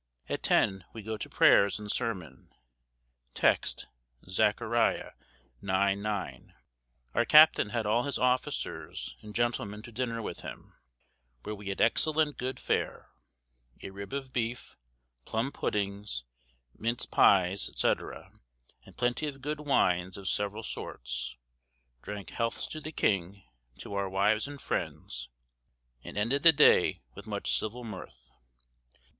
At ten we goe to prayers and sermon; text, Zacc. ix, 9. Our captaine had all his officers and gentlemen to dinner with him, where wee had excellent good fayre: a ribb of beefe, plumb puddings, minct pyes, &c., and plenty of good wines of severall sorts; dranke healths to the king, to our wives and friends, and ended the day with much civill myrth."